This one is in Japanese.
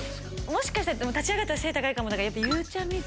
もしかしたら立ち上がったら背高いかもだから。